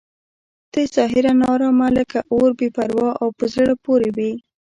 ته ظاهراً ناارامه لکه اور بې پروا او په زړه پورې وې.